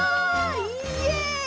イエイ！